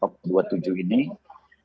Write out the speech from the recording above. dan juga di kepala pemerintah republik indonesia